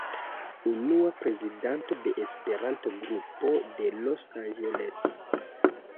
Unua prezidanto de Esperanto-Grupo de Los Angeles.